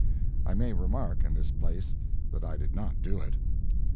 [I may remark, in this place, that I did not do it.